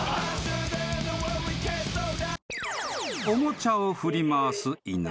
［おもちゃを振り回す犬］